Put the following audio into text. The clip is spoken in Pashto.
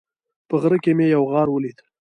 په غره کې مې یو غار ولید